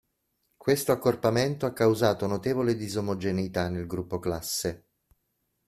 Questo accorpamento ha causato notevole disomogeneità nel gruppo classe.